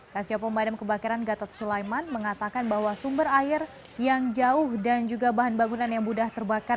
kasio pemadam kebakaran gatot sulaiman mengatakan bahwa sumber air yang jauh dan juga bahan bangunan yang mudah terbakar